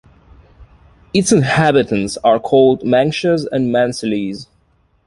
Its inhabitants are called "Manceaux" and "Mancelles".